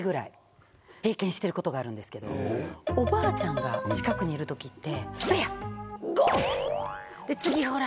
おばあちゃんが近くにいる時って。